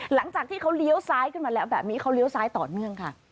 หลังจากที่เขาเลี้ยวซ้ายขึ้นมาแล้วแบบนี้เขาเลี้ยวซ้ายต่อเนื่องค่ะ